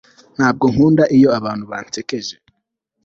Ntabwo nkunda iyo abantu bansekeje